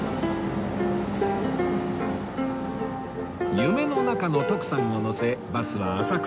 夢の中の徳さんを乗せバスは浅草を通過